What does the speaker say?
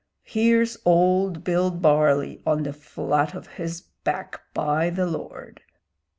Here's old Bill Barley on the flat of his back, by the Lord!